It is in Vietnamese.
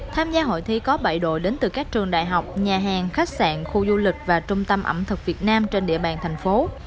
tham gia hội thi có bảy đội đến từ các trường đại học nhà hàng khách sạn khu du lịch và trung tâm ẩm thực việt nam trên địa bàn thành phố